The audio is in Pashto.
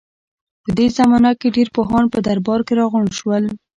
په دې زمانه کې ډېر پوهان په درباره کې راغونډ شول.